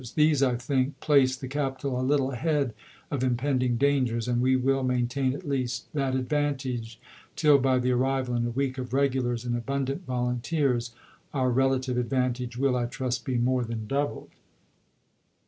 These, I think, place the capital a little ahead of impend ing dangers, and we will maintain, at least, that advan tage, till by the arrival (in a week) of regulars aad abundant volunteers our relative advantage will, I trust, MS. be more than doubled.